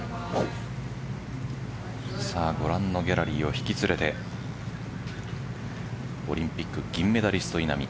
ご覧のギャラリーを引き連れてオリンピック銀メダリスト稲見。